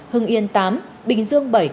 hưng yên tám bình dương bảy